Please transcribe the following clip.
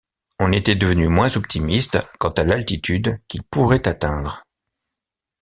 On était devenu moins optimiste quant à l'altitude qu'il pourrait atteindre.